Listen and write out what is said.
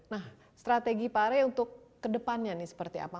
nah strategi pak rey untuk kedepannya nih seperti apa